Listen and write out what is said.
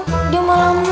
ya udah malemnya